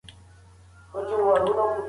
نا امیده کېدل د حل لاره نه ده.